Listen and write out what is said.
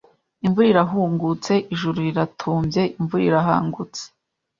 Imvura irahungutse ijuru riratumbye imvura irahangutse